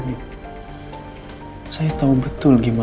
saya tahu betul gimana